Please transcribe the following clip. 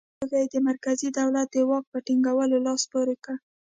په دې توګه یې د مرکزي دولت د واک په ټینګولو لاس پورې کړ.